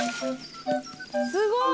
すごい！